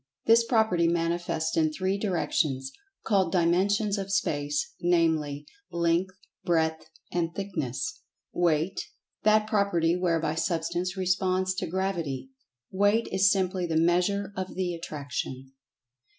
This property manifests in three directions, called Dimensions of Space, namely, Length, Breadth, and Thickness. Weight: That property whereby Substance responds to Gravity. Weight is simply the measure of the attraction.